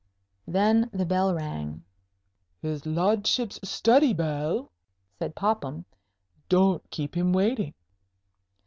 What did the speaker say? Then the bell rang. "His ludship's study bell," said Popham. "Don't keep him waiting."